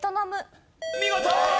見事！